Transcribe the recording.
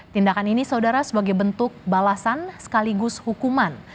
tindakan ini saudara sebagai bentuk balasan sekaligus hukuman